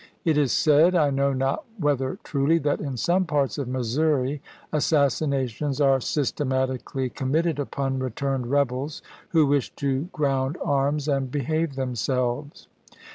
It is said, I know not whether truly, that in some parts of Missouri assassinations are sys tematically committed upon returned rebels who wish to ground arms and behave themselves.